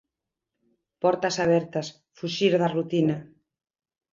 Portas abertas: Fuxir da rutina.